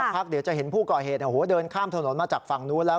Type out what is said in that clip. เดี๋ยวจะเห็นผู้ก่อเหตุเดินข้ามถนนมาจากฝั่งนู้นแล้ว